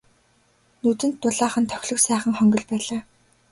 Нүдэнд дулаахан тохилог сайхан хонгил байлаа.